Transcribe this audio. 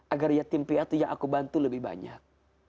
agar yatim piatu yang aku bantu lebih banyak